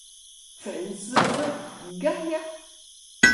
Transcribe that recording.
Burton is now owned by Gartner, and continues to limit its vendor expenditures.